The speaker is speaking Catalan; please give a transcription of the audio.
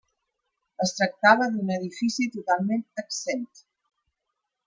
Es tractava d'un edifici totalment exempt.